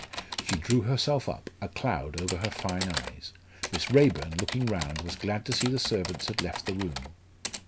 She drew herself up, a cloud over her fine eyes. Miss Raeburn, looking round, was glad to see the servants had left the room.